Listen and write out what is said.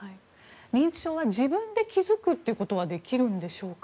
認知症は自分で気づくことはできるんでしょうか。